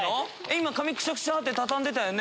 今紙クシャクシャって畳んでたよね？